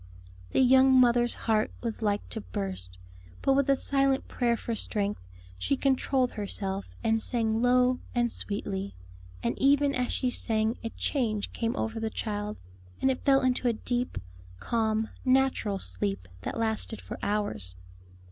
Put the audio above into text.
'" The young mother's heart was like to burst, but with a silent prayer for strength, she controlled herself and sang low and sweetly, and even as she sang a change came over the child, and it fell into a deep, calm, natural sleep that lasted for hours.